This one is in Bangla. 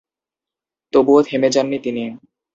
তবুও থেমে যান নি তিনি।